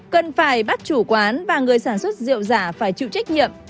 cần phải bắt chủ quán và người sản xuất rượu giả phải chịu trách nhiệm